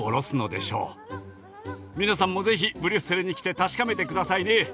皆さんもぜひブリュッセルに来て確かめてくださいね。